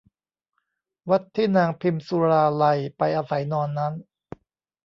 วัดที่นางพิมสุราลัยไปอาศัยนอนนั้น